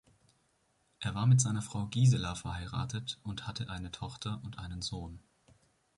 Er war mit seiner Frau Gisela verheiratet und hatte eine Tochter und einen Sohn.